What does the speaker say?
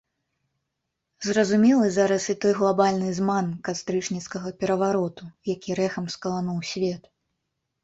Зразумелы зараз і той глабальны зман кастрычніцкага перавароту, які рэхам скалануў свет.